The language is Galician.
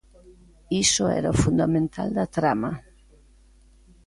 Iso era o fundamental da trama;